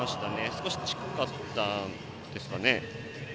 少し近かったですかね。